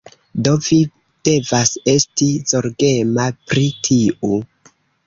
Do vi devas esti zorgema pri tiu...